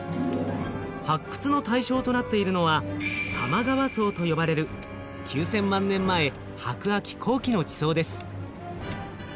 発掘の対象となっているのは玉川層と呼ばれる９，０００万年前白亜紀後期の地層です。